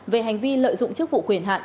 về hành vi lợi dụng chức vụ quyền hạn